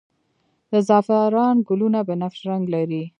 د زعفران ګلونه بنفش رنګ لري